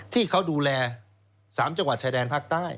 ที่เขาดูแล๓จังหวัดชายแดนภาคใต้